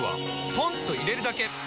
ポンと入れるだけ！